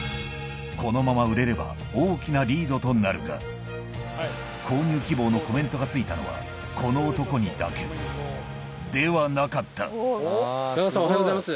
このまま売れれば大きなリードとなるが購入希望のコメントがついたのはこの男にだけではなかった宇田川さんおはようございます。